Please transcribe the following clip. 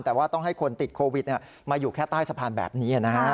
แต่ว่าต้องให้คนติดโควิดมาอยู่แค่ใต้สะพานแบบนี้นะฮะ